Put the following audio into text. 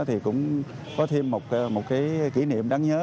thì cũng có thêm một cái kỷ niệm đáng nhớ